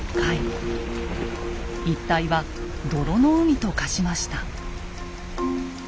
一帯は「泥の海」と化しました。